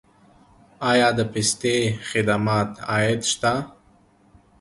آیا د پستي خدماتو عاید شته؟